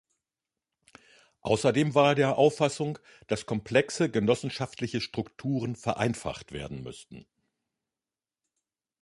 Außerdem war er der Auffassung, dass komplexe genossenschaftliche Strukturen vereinfacht werden müssten.